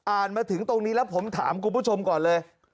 มาถึงตรงนี้แล้วผมถามคุณผู้ชมก่อนเลย